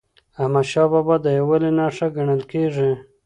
احمدشاه بابا د یووالي نښه ګڼل کېږي.